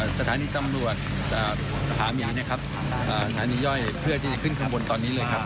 สถานีตำรวจผามีนะครับสถานีย่อยเพื่อที่จะขึ้นข้างบนตอนนี้เลยครับ